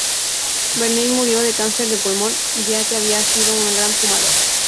Varney murió de cáncer de pulmón ya que había sido un gran fumador.